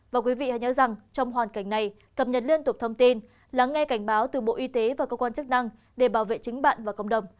và quý vị hãy nhớ rằng trong hoàn cảnh này cập nhật liên tục thông tin lắng nghe cảnh báo từ bộ y tế và cơ quan chức năng để bảo vệ chính bạn và cộng đồng